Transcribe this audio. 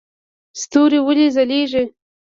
ستوري ولې ځلیږي؟